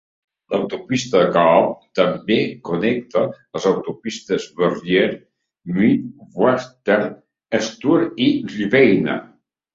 L'autopista Coob també connecta les autopistes Barrier, Mid-Western, Sturt i Riverina.